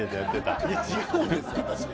いや違うんですよ私。